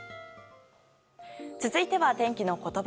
続いては天気のことば。